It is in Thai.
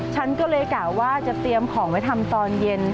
ฉันก็เลยกะว่าจะเตรียมของไว้ทำตอนเย็น